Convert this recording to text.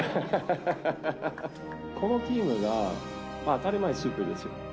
このチームが当たり前、スーパーですよ。